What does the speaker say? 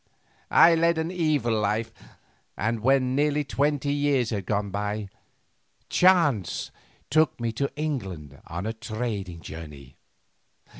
I led an evil life, and when nearly twenty years had gone by, chance took me to England on a trading journey.